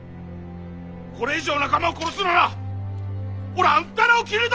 これ以上仲間を殺すならおらあんたらを斬るだ！